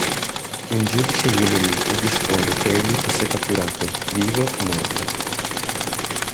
Un giudice yemenita dispone che egli fosse catturato "vivo o morto".